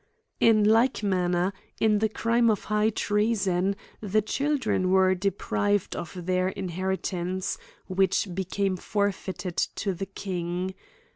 '^ In like manner, in the crime of high treason, the children were deprived of their inheritance, which became forfeited to the king.